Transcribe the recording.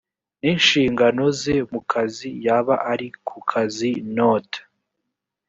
n inshingano ze mu kazi yaba ari ku kazi not